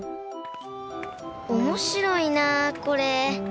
おもしろいなこれ。